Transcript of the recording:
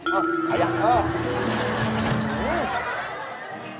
เออถ่ายได้